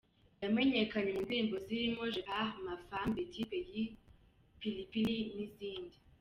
Yamenyekanye mu ndirimbo zirimo ‘Je pars’, ‘Ma femme’, ‘Petit Pays’, ‘PiliPili’ n’izindi.